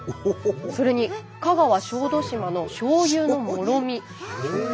それに香川小豆島のしょうゆのもろみ。